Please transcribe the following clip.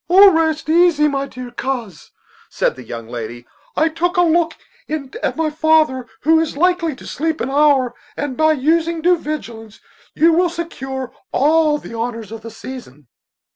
"Oh, rest easy, my dear coz," said the young lady; "I took a look in at my father, who is likely to sleep an hour; and by using due vigilance you will secure all the honors of the season."